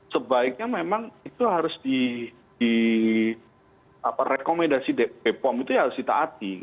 sebaiknya memang itu harus direkomendasi bepom itu harus kita hati